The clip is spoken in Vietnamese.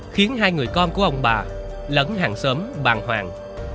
khiến hai người con của ông bà lẫn hàng xóm bàn hoàng